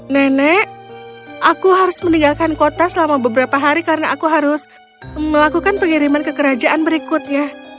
nenek aku harus meninggalkan kota selama beberapa hari karena aku harus melakukan pengiriman ke kerajaan berikutnya